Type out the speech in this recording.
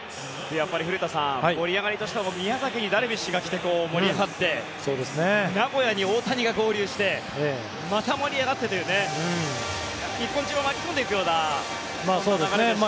やっぱり古田さん盛り上がりとしては宮崎にダルビッシュが来て盛り上がって名古屋に大谷が合流してまた盛り上がってというね日本中を巻き込んでいくような流れでした。